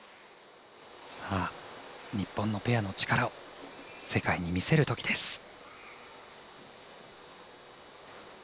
日本のペアの力を世界に見せる時です。